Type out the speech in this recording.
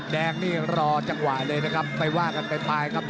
แดงนี่รอจังหวะเลยนะครับไปว่ากันไปครับ